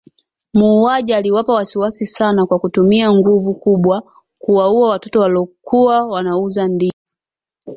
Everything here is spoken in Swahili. Muuaji aliwapa wasiwasi sana kwa kutumia nguvu kubwa kuwaua Watoto walokuwa wanauza ndizi